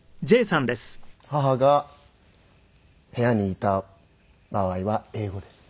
母が部屋にいた場合は英語です。